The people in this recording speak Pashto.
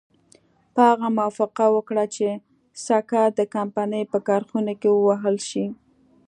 هغه موافقه وکړه چې سکه د کمپنۍ په کارخانو کې ووهل شي.